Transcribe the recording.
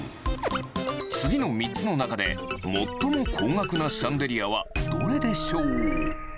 次の３つの中で、最も高額なシャンデリアはどれでしょう？